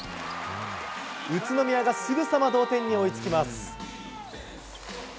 宇都宮がすぐさま同点に追いつきます。